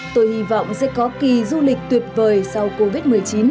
tôi hy vọng sẽ có kỳ du lịch tuyệt vời sau covid một mươi chín